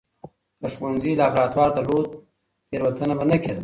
که ښوونځي لابراتوار درلود، تېروتنه به نه کېده.